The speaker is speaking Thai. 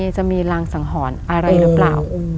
จะมีรางสังหรณ์อะไรหรือเปล่า